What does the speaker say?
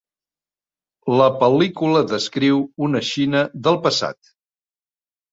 La pel·lícula descriu una Xina del passat.